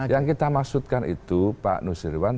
yang kita maksudkan itu pak nusirwan